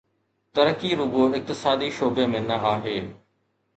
ترقي رڳو اقتصادي شعبي ۾ نه آهي.